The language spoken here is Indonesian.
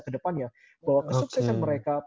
kedepannya bahwa kesuksesan mereka